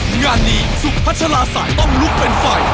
งานนี้สุพัชลาสายต้องลุกเป็นไฟ